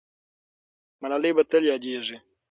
ملالۍ به تل یادېږي.